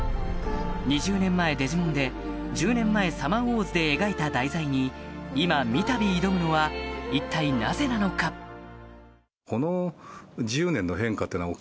２０年前『デジモン』で１０年前『サマーウォーズ』で描いた題材に今三度挑むのは一体なぜなのか？ってのが。